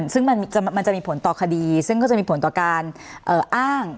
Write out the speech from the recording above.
ซึ่งมันจะมีผลต่อคดีซึ่งก็จะมีผลต่อการอ้าง